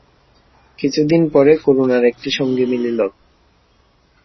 কিছু দিন পরে করুণার একটি সঙ্গী মিলিল।